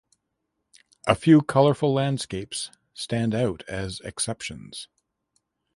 A few colorful landscapes stand out as exceptions.